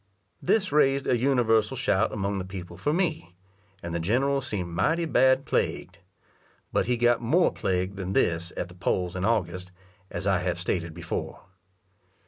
This raised a universal shout among the people for me, and the general seemed mighty bad plagued. But he got more plagued than this at the polls in August, as I have stated before.